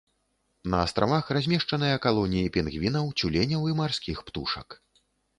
На астравах размешчаныя калоніі пінгвінаў, цюленяў і марскіх птушак.